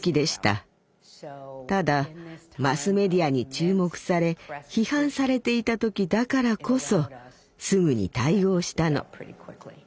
ただマスメディアに注目され批判されていた時だからこそすぐに対応したの。